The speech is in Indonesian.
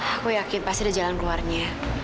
aku yakin pasti ada jalan keluarnya